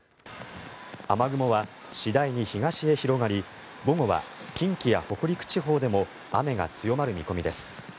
雨雲は次第に東へ広がり午後は近畿や北陸地方でも雨が強まる見込みです。